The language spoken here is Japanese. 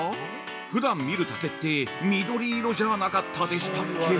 ふだん見る竹って、緑色じゃなかったでしたっけ。